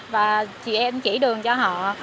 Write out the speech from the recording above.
và chị em chỉ đường cho họ